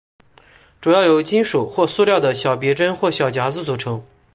主要由金属或塑料的小别针或小夹子组成。